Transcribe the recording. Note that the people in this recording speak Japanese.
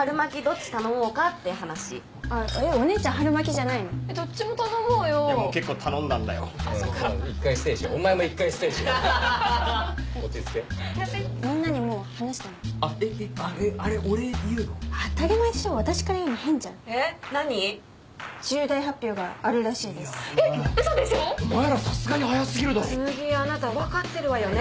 つむぎあなた分かってるわよね？